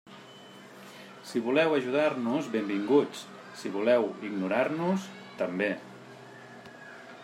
Si voleu ajudar-nos, benvinguts, si voleu ignorar-nos, també.